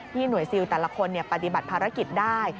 หน่วยซิลแต่ละคนปฏิบัติภารกิจได้